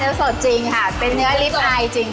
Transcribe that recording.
เนื้อสดเนื้อริ้มไพรจริง